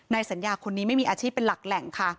สัญญาคนนี้ไม่มีอาชีพเป็นหลักแหล่งค่ะ